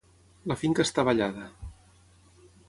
La finca està ballada.